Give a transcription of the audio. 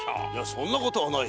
そんなことはない。